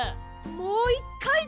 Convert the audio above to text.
もう１かい。